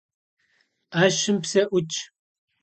Ӏэщым псэ ӏутщ.